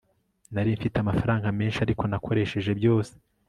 nari mfite amafaranga menshi, ariko nakoresheje byose